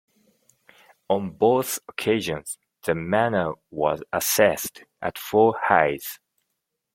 On both occasions the manor was assessed at four hides.